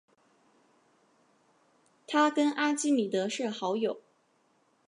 他跟阿基米德是好友。